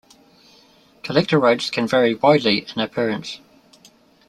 Collector roads can vary widely in appearance.